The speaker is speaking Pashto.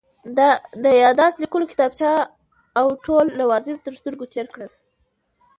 د یادښت لیکلو کتابچې او ټول لوازم تر سترګو تېر کړل.